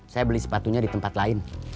saya beli sepatunya di tempat lain